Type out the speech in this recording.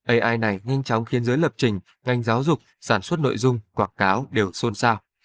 ai này nhanh chóng khiến giới lập trình ngành giáo dục sản xuất nội dung quảng cáo đều xôn xao